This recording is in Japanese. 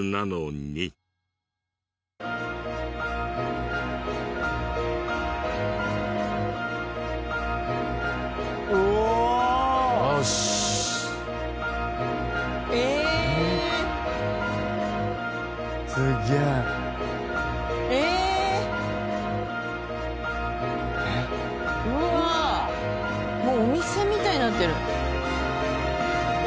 もうお店みたいになってる。